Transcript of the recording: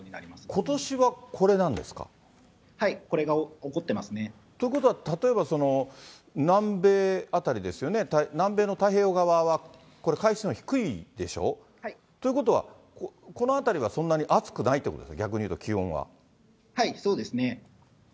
ことしはこれなんですか。ということは、例えば南米辺りですよね、南米の太平洋側はこれ、海水温低いでしょ。ということは、この辺りはそんなに暑くないということですか、そうですね。